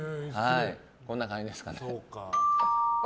こんな感じですかね。